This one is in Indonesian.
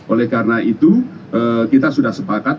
oleh karena itu kita sudah sepakat